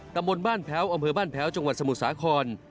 ตำบลบ้านแพ้วอำเภอบ้านแพ้วจังหวัดสมุทรสาคร